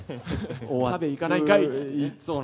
食べに行かないんかいっていう。